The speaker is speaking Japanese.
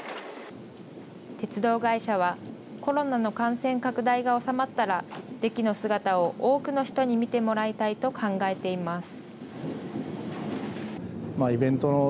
鉄道会社は、コロナの感染拡大が収まったら、デキの姿を多くの人に見てもらいたいと考えています。